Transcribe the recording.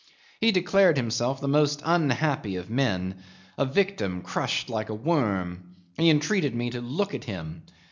He declared himself the most unhappy of men, a victim, crushed like a worm; he entreated me to look at him.